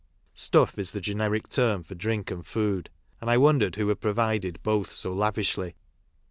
"Stuff" is the generic term for drink and food, and I won dered who had provided both so lavishly.